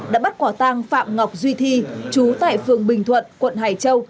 đã bắt quả tang phạm ngọc duy thi chú tại phường bình thuận quận hải châu